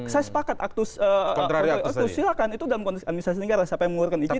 saya sepakat aktus silakan itu dalam konteks administrasi negara siapa yang mengeluarkan izin